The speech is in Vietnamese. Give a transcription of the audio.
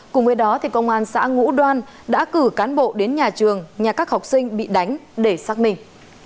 cùng với đó công an xã ngũ đoan đã cử cán bộ đến nhà trường nhà các học sinh bị đánh để xác minh